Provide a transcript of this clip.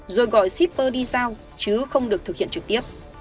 rồi gọi shipper đi giao chứ không được thực hiện trực tiếp